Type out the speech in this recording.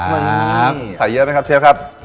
น้ำขายเยอะไหมครับเชฟครับ